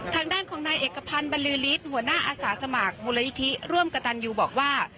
ทางด้านของนายเอกพันธ์บรรลือฤทธิ์หัวหน้าอาสาสมัครมูลนิธิร่วมกระตันยูบอกว่า